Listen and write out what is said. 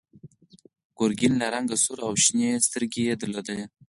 ګرګین له رنګه سور و او شنې سترګې یې درلودې.